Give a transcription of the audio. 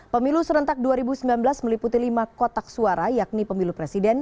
pemilu serentak dua ribu sembilan belas meliputi lima kotak suara yakni pemilu presiden